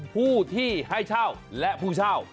ผู้ที่ให้เช่าและผู้เช่า